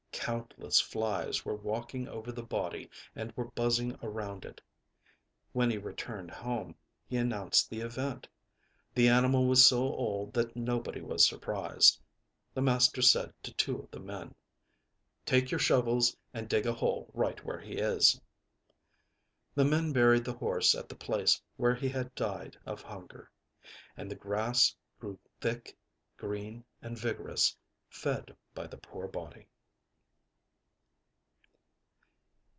Countless flies were walking over the body and were buzzing around it. When he returned home, he announced the event. The animal was so old that nobody was surprised. The master said to two of the men: âTake your shovels and dig a hole right where he is.â The men buried the horse at the place where he had died of hunger. And the grass grew thick, green and vigorous, fed by the poor body.